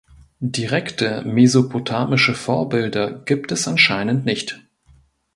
Direkte mesopotamische Vorbilder gibt es anscheinend nicht.